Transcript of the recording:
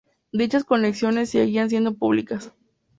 Dichas conexiones siguen siendo públicas.